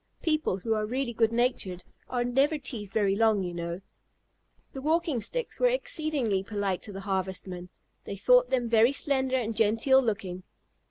People who are really good natured are never teased very long, you know. The Walking Sticks were exceedingly polite to the Harvestmen. They thought them very slender and genteel looking.